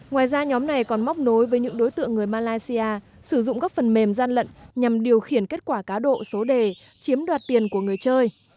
ngoài ra nhóm này còn móc nối với những đối tượng người malaysia sử dụng các phần mềm gian lận nhằm điều khiển kết quả cá độ số đề chiếm đoạt tiền của người chơi